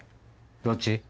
どっち？